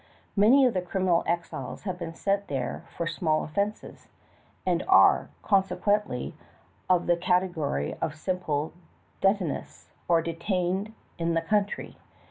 Many of the criminal exiles have been sent there for small offenses, and are, consequently, of the cate gory of simple detenus, or "detained in the country."